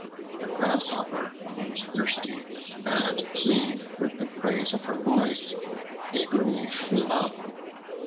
The Grasshopper, who was thirsty, and pleased with the praise of her voice, eagerly flew up.